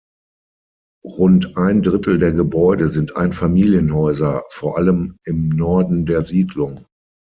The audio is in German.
Rund ein Drittel der Gebäude sind Einfamilienhäuser, vor allem im Norden der Siedlung.